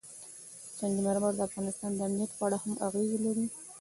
سنگ مرمر د افغانستان د امنیت په اړه هم اغېز لري.